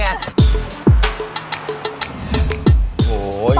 ทรัพย์